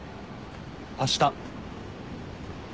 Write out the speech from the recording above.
あした。